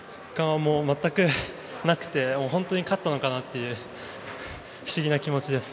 全くなくて本当に勝ったのかなという不思議な気持ちです。